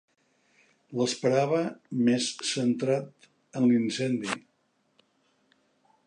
L'esperava més centrat en l'incendi.